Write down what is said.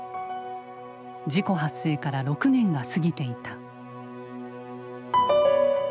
事故発生から６年が過ぎていた。